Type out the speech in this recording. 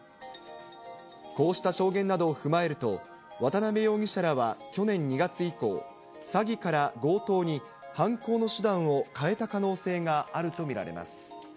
こうした証言などを踏まえると、渡辺容疑者らは去年２月以降、詐欺から強盗に犯行の手段を変えた可能性があると見られます。